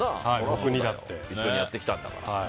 一緒にやってきたんだから。